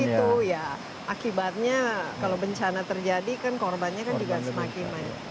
itu ya akibatnya kalau bencana terjadi kan korbannya kan juga semakin banyak